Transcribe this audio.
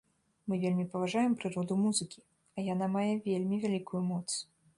Мы вельмі паважаем прыроду музыкі, а яна мае вельмі вялікую моц.